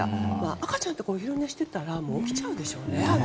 赤ちゃんとかお昼寝してたら起きちゃうでしょうね。